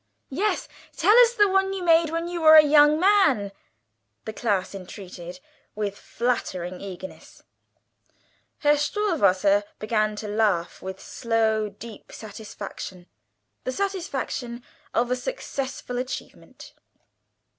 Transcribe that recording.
"Yes; tell us the one you made when you were a young man," the class entreated, with flattering eagerness. Herr Stohwasser began to laugh with slow, deep satisfaction; the satisfaction of a successful achievement.